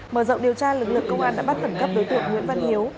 mở rộng điều tra lực lượng công an đã bắt khẩn cấp đối tượng nguyễn văn hiếu